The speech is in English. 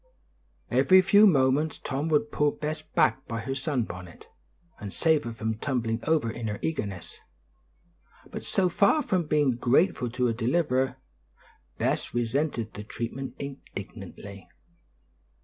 Every few moments Tom would pull Bess back by her sun bonnet, and save her from tumbling over in her eagerness; but so far from being grateful to her deliverer, Bess resented the treatment indignantly.